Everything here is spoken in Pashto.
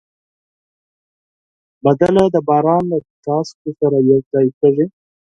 سندره د باران له څاڅکو سره یو ځای کېږي